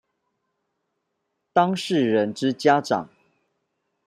當事人之家長